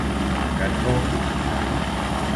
Que et bombin!